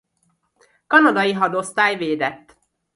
Kanadai Hadosztály védett.